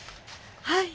はい。